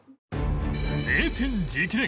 名店直伝！